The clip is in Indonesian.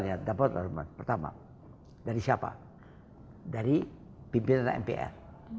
yang dapat laporan pertama dari siapa dari pimpinan mpr